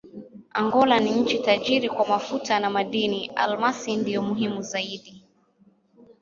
Angola ni nchi tajiri kwa mafuta na madini: almasi ndiyo muhimu zaidi.